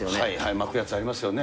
巻くやつありますよね。